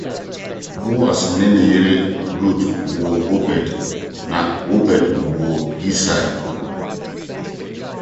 Whilst attending the University of Glasgow he was Chair of the University Labour Club.